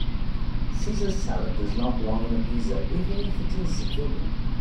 Caesar salad does not belong on a pizza even if it is vegan.